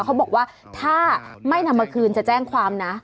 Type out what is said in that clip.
เขาบอกว่าถ้าไม่นำมาคืนจะแจ้งความนะ